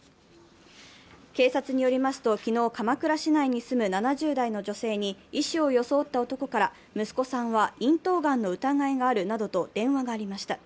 警察によりますと昨日鎌倉市内に住む７０代の女性に医師を装った男から、息子さんは咽頭がんの疑いがあるなどと電話がありました。